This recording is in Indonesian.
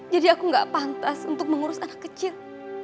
jadi aku nggak pantas untuk mengurus anak kecil